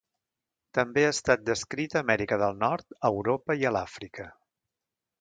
També ha estat descrita a Amèrica del Nord, a Europa i a l'Àfrica.